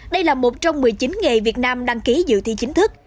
đây là một trong một mươi chín nghề việt nam đăng ký dự thi chính thức